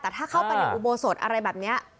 แต่ถ้าเข้าไปในอุโบสถอะไรแบบนี้